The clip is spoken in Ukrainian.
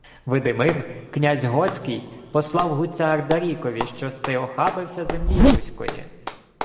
— Видимир, князь готський, послав гудця Ардарікові, що-с ти охабився землі Руської.